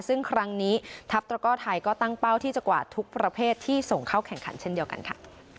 ซึ่งครั้งนี้ทัพตระก้อไทยก็ตั้งเป้าที่จะกว่าทุกประเภทที่ส่งเข้าแข่งขันเช่นเดียวกันค่ะ